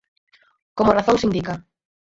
Como razóns indica.